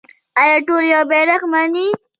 آیا ټول یو بیرغ مني؟